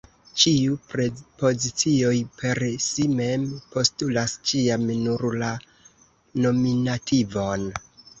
Ĉiuj prepozicioj per si mem postulas ĉiam nur la nominativon.